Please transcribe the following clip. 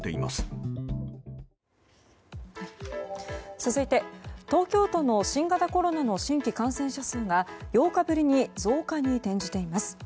続いて、東京都の新型コロナの新規感染者数が８日ぶりに増加に転じています。